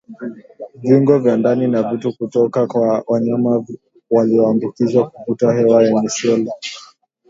viungo vya ndani na vitu kutoka kwa wanyama walioambukizwa kuvuta hewa yenye seli